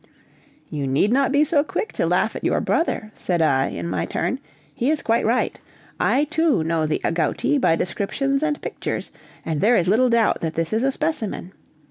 "You need not be so quick to laugh at your brother," said I, in my turn; "he is quite right. I, too, know the agouti by descriptions and pictures, and there is little doubt that this is a specimen.